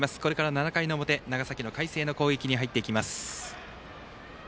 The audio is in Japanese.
７回の表、長崎・海星の攻撃に入っていきます。